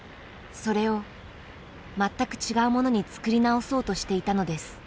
それを全く違うものに作り直そうとしていたのです。